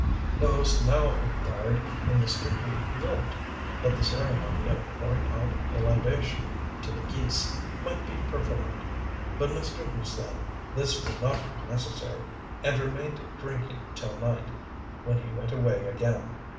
The host now inquired where Mr. Hu lived, that the ceremony of pouring out a libation to the geese might be performed; but Mr. Hu said this would not be necessary, and remained drinking till night, when he went away again.